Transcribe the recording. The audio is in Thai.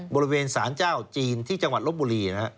บริเวณสารเจ้าจีนที่จังหวัดลบบุรี